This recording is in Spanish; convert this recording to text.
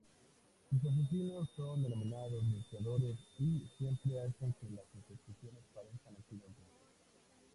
Sus asesinos son denominados "limpiadores" y siempre hacen que las ejecuciones parezcan accidentes.